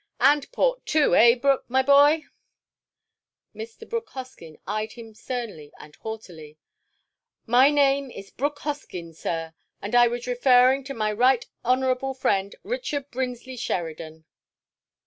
"And port, too, eh, Brooke, my boy?" Mr. Brooke Hoskyn eyed him sternly and haughtily. "My name is Brooke Hoskyn, sir, and I was referring to my Right Honourable friend, Richard Brinsley Sheridan!"